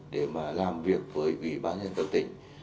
để mà làm việc với ủy bán nhân tượng tỉnh